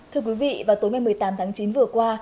thưa quý vị vào tối ngày một mươi tám tháng chín vừa qua